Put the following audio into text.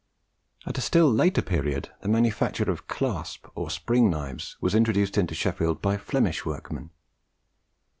At a still later period, the manufacture of clasp or spring knives was introduced into Sheffield by Flemish workmen.